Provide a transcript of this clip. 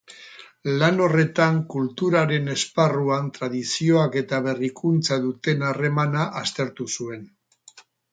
Lan horretan, kulturaren esparruan tradizioak eta berrikuntzak duten harremana aztertu zuen.